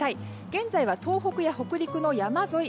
現在は東北や北陸の山沿い